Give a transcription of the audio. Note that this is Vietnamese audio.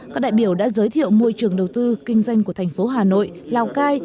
các đại biểu đã giới thiệu môi trường đầu tư kinh doanh của thành phố hà nội lào cai